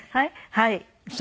はい。